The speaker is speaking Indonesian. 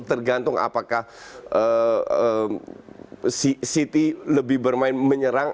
tergantung apakah city lebih bermain menyerang